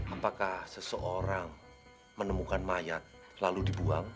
apakah seseorang menemukan mayat lalu dibuang